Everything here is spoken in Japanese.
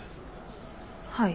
はい。